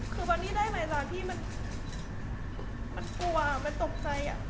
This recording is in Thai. คือวันนี้ได้หมายจากที่มันมันกลัวมันตกใจอะ